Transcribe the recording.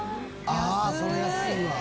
ああそれ安いわ。